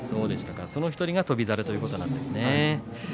その１人が翔猿ということになりますね。